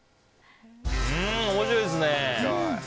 面白いですね。